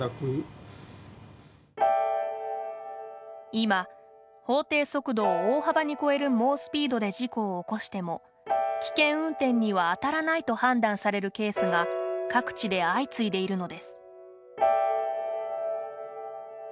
今法定速度を大幅に超える猛スピードで事故を起こしても危険運転には当たらないと判断されるケースが各地で相次いでいるのです。